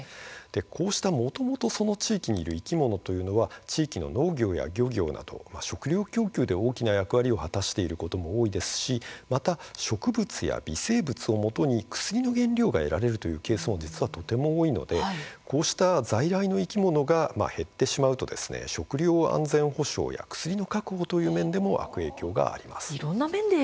こうした、もともといた生き物というのは地域の農業や漁業など食料供給面で大きな役割を果たしていることも多いですし植物や微生物をもとに薬の原料が得られるというケースも、実はとても多いのでこうした在来の生き物が減ってしまうと食料安全保障や薬の確保という面でも悪影響があります。